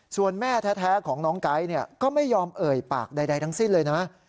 ส่วนแม่แท้ของน้องไก๊ก็ไม่ยอมเอ่ยปากใดทั้งสิ้นเลยนะ